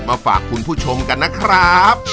มาฝากคุณผู้ชมกันนะครับ